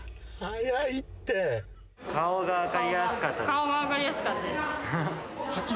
顔が分かりやすかったです。